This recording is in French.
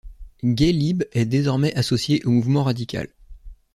GayLib est désormais associé au Mouvement radical.